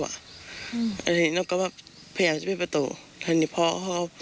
แล้วทีนี้นุ๊กก็พยายามจะเปลี่ยนประตู